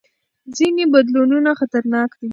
ځینې بدلونونه خطرناک دي.